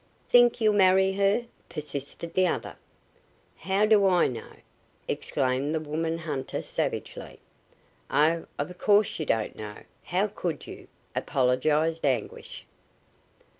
"Think you'll marry her?" persisted the other. "How do I know?" exclaimed the woman hunter, savagely. "Oh, of course you don't know how could you?" apologized Anguish.